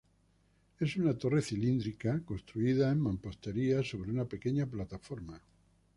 Es una torre cilíndrica, construida en mampostería sobre una pequeña plataforma.